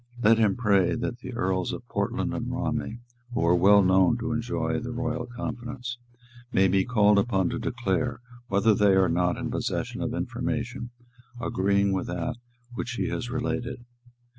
Let him pray that the Earls of Portland and Romney, who are well known to enjoy the royal confidence, may be called upon to declare whether they are not in possession of information agreeing with what he has related.